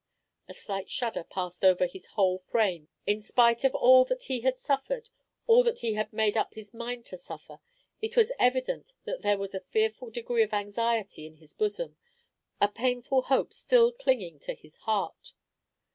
A slight shudder passed over his whole frame; in spite of all that he had suffered all that he made up his mind to suffer it was evident that there was a fearful degree of anxiety in his bosom, a painful hope still clinging to his heart.